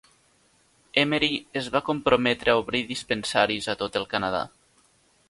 Emery es va comprometre a obrir dispensaris a tot el Canadà.